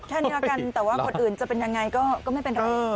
แค่นี้แล้วกันแต่ว่าคนอื่นจะเป็นยังไงก็ไม่เป็นไร